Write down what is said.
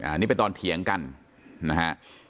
อันนี้เป็นตอนเถียงกันนะฮะ